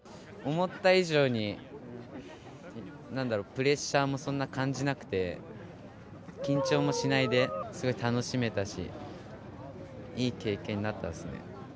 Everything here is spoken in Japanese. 思った以上に、なんだろう、プレッシャーもそんな感じなくて、緊張もしないで、すごい楽しめたし、いい経験になったっすね。